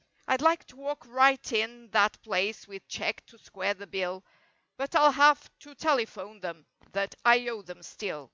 " I'd like to walk right in that place with check to square the bill— But I'll have to telephone them that "I owe them—still."